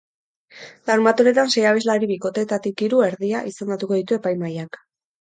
Larunbat honetan sei abeslari bikoteetatik hiru, erdia, izendatuko ditu epaimahaiak.